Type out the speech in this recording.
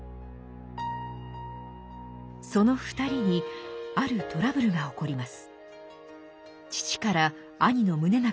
その２人にあるトラブルが起こります。